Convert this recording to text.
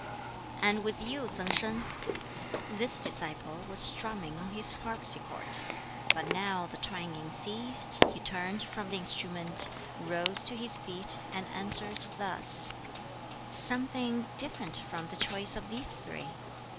"And with you, Tsang Sin?" This disciple was strumming on his harpsichord, but now the twanging ceased, he turned from the instrument, rose to his feet, and answered thus: "Something different from the choice of these three."